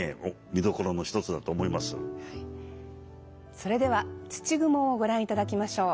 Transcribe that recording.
それでは「土蜘」をご覧いただきましょう。